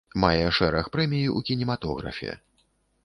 Мае шэраг прэмій у кінематографе.